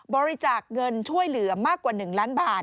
บริจาคเงินช่วยเหลือมากกว่า๑ล้านบาท